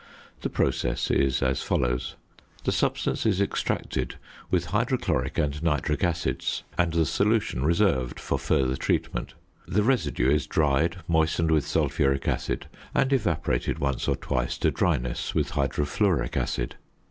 The process is as follows: The substance is extracted with hydrochloric and nitric acids, and the solution reserved for further treatment; the residue is dried, moistened with sulphuric acid, and evaporated once or twice to dryness with hydrofluoric acid.